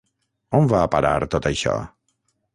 On va a parar tot això?